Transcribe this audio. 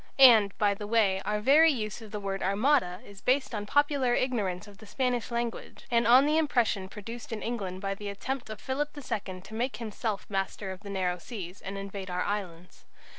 And, by the way, our very use of the word "armada" is based on popular ignorance of the Spanish language, and on the impression produced in England by the attempt of Philip II to make himself master of the narrow seas, and invade our islands.